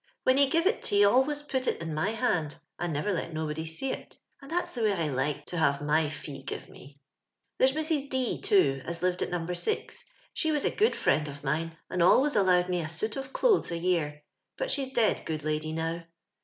When he give it he always put it in my hand and never let nobody 'see it, and that's the way I like to have my foe give me. " There's Mrs. D , too, a.s lived at No.C ; she was a good friend of mine, and always allowed mo a suit of clothes a jear ; but she's dead, good lady, now.